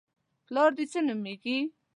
_پلار دې څه نومېږي؟